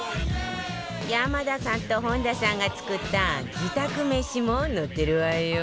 山田さんと本田さんが作った自宅メシも載ってるわよ